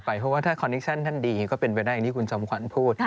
เพราะว่าถ้าคอนนิคชั่นท่านดีก็เป็นไปได้อย่างที่คุณจอมขวัญพูด